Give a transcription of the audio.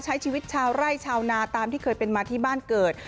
ใช้ชีวิตชาวไร่ชาวนาตามที่เคยเป็นมาที่บ้านเกิด